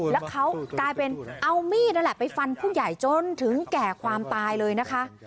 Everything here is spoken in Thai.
แล้วเขากลายเป็นเอามีดนั่นแหละไปฟันผู้ใหญ่จนถึงแก่ความตายเลยนะคะ